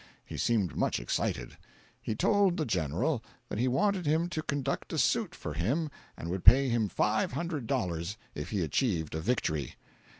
He seemed much excited. He told the General that he wanted him to conduct a suit for him and would pay him five hundred dollars if he achieved a victory.